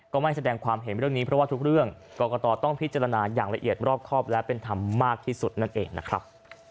ไม่แสดงความเห็นเรื่องนี้เพราะว่าทุกเรื่องกรกตต้องพิจารณาอย่างละเอียดรอบครอบและเป็นธรรมมากที่สุดนั่นเองนะครับ